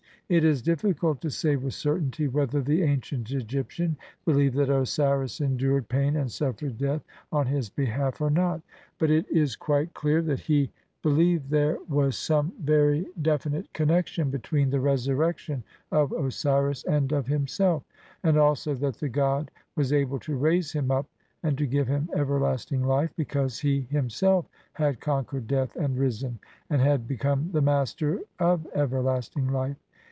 It is difficult to say with certainty whether the ancient Egyptian believed that Osiris endured pain and suffered death on his behalf or not ; but it is quite clear that he believed there was some very OSIRIS AND THE RESURRECTION. LXXXIII definite connexion between the resurrection of Osiris and of himself, and also that the god was able to raise him up and to give him everlasting life, because he himself had conquered death and risen, and had be come the master of everlasting life.